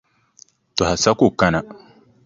Tɔha sa ku kana.